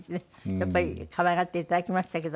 やっぱり可愛がっていただきましたけど。